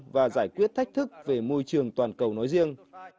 và giải quyết thách thức về môi trường toàn cầu nói riêng